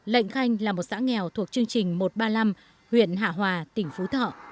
lệnh khanh là một xã nghèo thuộc chương trình một trăm ba mươi năm huyện hạ hòa tỉnh phú thọ